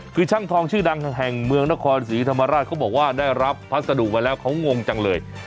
คือช่างทองชื่อดังแห่งเมืองนครศรีธรรมราชเขาบอกว่าได้รับพัสดุมาแล้วเขางงจังเลย